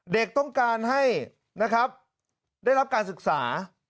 ๑เด็กต้องการได้รับการศึกษา